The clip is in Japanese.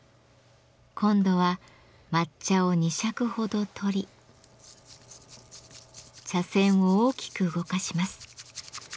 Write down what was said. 今度は抹茶を２しゃくほど取り茶せんを大きく動かします。